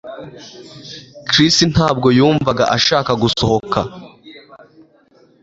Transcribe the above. Chris ntabwo yumvaga ashaka gusohoka